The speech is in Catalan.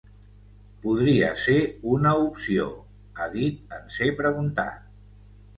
“Podria ser una opció”, ha dit en ser preguntat.